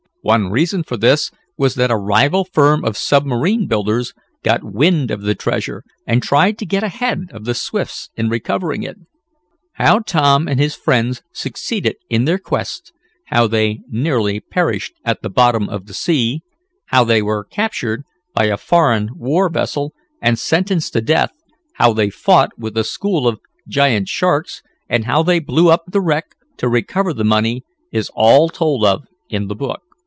One reason for this was that a rival firm of submarine builders got wind of the treasure, and tried to get ahead of the Swifts in recovering it. How Tom and his friends succeeded in their quest, how they nearly perished at the bottom of the sea, how they were captured by a foreign war vessel, and sentenced to death, how they fought with a school of giant sharks and how they blew up the wreck to recover the money is all told of in the book.